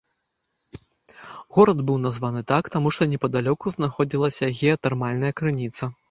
Горад быў названы так, таму што непадалёку знаходзілася геатэрмальная крыніца.